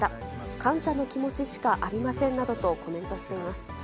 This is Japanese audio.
感謝の気持ちしかありませんなどとコメントしています。